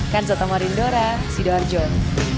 kan zatomar indora sido arjot